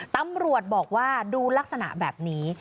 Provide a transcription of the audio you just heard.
ตำรวจบอกว่าดูลักษณะแบบนี้